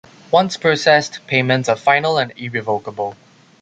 Once processed, payments are final and irrevocable.